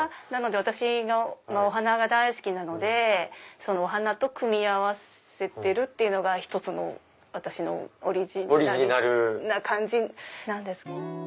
私お花が大好きなのでお花と組み合わせてるのが１つの私のオリジナルな感じなんです。